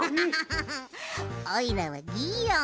おいらはギーオン。